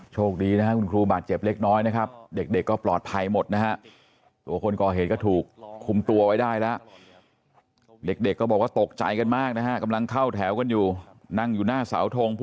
สู้เลยครับเพราะผมมือเปล่าสู้ไม่ได้ครับเขาแข็งแรง